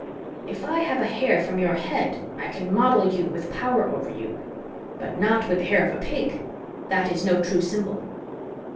If I have a hair from your head, I can model you with power over you. But not with the hair of a pig! That is no true symbol!"